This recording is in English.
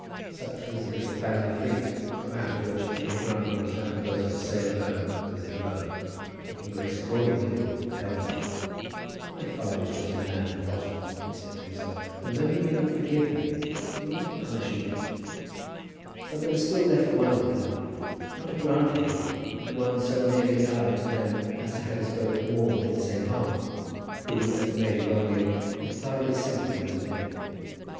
Such was the little family fleet from out of which Henry Grantly was now proposing to sail alone with his little boat, taking Grace Crawley with him at the helm. "My father is a just man at the bottom," he said to himself, "and though he may not forgive me, he will not punish Edith." But there was still left one of the family, not a Grantly, indeed, but one so nearly allied to them as to have his boat moored in the same harbour, who, as the major well knew, would thoroughly sympathize with him.